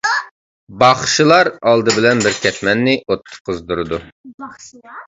باخشىلار ئالدى بىلەن بىر كەتمەننى ئوتتا قىزدۇرىدۇ.